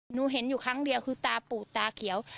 หนูเห็นอยู่ครั้งเดียวคือตาปูดตาเขียว